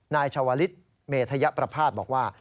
นายชาวลิศเมธยประภาษณ์บอกว่า